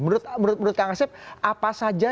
menurut kang asep apa saja